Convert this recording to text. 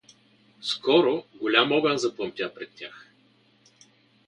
Скоро голям огън запламтя пред тях.